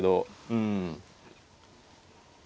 うん。